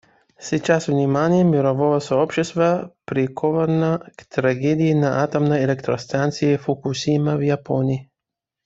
Сейчас внимание мирового сообщества приковано к трагедии на атомной электростанции Фукусима в Японии.